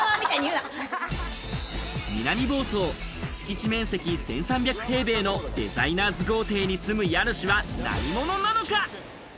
南房総、敷地面積１３００平米のデザイナーズ豪邸に住む家主は何者なのか？